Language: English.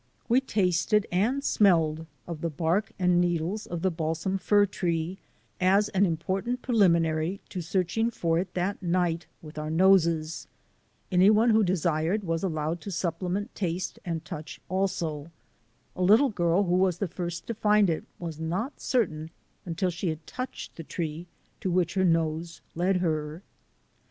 We tasted and smelled of the bark and needles of the balsam fir tree as an important preliminary to searching for it that night with our noses. Any one who desired was allowed to supplement taste and touch also. A little girl who was the first to find it was not certain until she had touched the tree to which her nose led her.